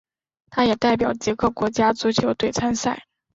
他也代表捷克国家足球队参赛。